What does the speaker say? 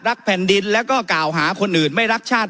แผ่นดินแล้วก็กล่าวหาคนอื่นไม่รักชาติ